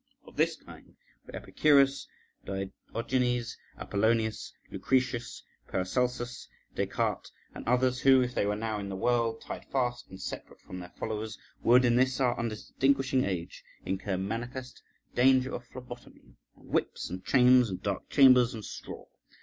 Of this kind were Epicurus, Diogenes, Apollonius, Lucretius, Paracelsus, Des Cartes, and others, who, if they were now in the world, tied fast and separate from their followers, would in this our undistinguishing age incur manifest danger of phlebotomy, and whips, and chains, and dark chambers, and straw.